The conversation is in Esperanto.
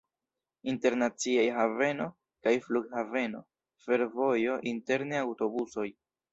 Internaciaj haveno kaj flughaveno, fervojo, interne aŭtobusoj.